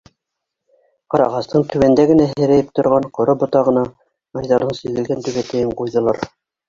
Ҡарағастың түбәндә генә һерәйеп торған ҡоро ботағына Айҙарҙың сигелгән түбәтәйен ҡуйҙылар.